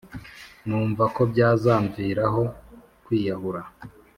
numva ko byazamviraho kwiyahura.